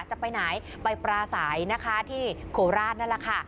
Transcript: จะไปไหนไปปราศัยนะคะที่โคราชนั่นแหละค่ะ